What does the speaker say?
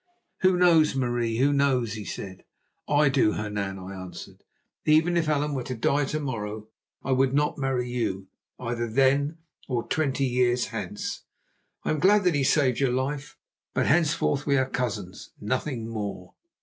"'Who knows, Marie, who knows?' he said. "'I do, Hernan,' I answered. 'Even if Allan were to die to morrow, I would not marry you, either then or twenty years hence. I am glad that he has saved your life, but henceforth we are cousins, nothing more.